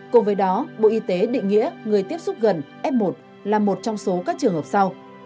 cùng với đó bộ y tế định nghĩa người tiếp xúc gần f một là một trong số các trường hợp sau